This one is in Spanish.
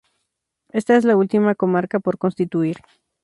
Esta es la última comarca por constituir.